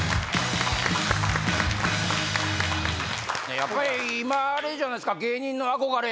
やっぱり今あれじゃないですか芸人の憧れ。